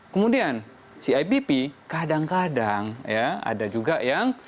kemudian si ipp kadang kadang ada juga yang